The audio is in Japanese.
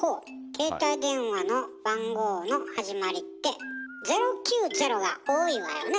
携帯電話の番号の始まりって「０９０」が多いわよね。